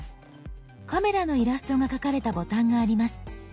カメラのイラストが描かれたボタンがあります。